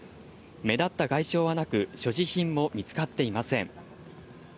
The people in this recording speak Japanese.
目立った外傷はなく、所持品も見つかっていません。